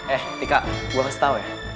eh ika gua kasih tau ya